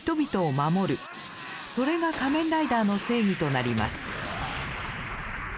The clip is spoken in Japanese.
それが仮面ライダーの正義となります。